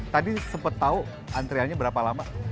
tadi sempet tau antreannya berapa lama